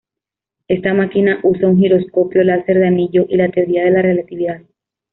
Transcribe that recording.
Esta máquina usa un giroscopio láser de anillo y la teoría de la relatividad.